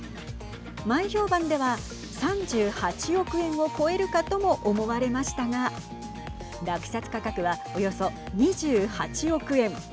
前評判では３８億円を超えるかとも思われましたが落札価格は、およそ２８億円。